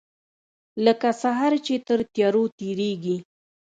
لکه سحر چې تر تیارو تیریږې